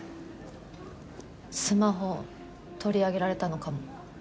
スマホ取り上げられたのかも。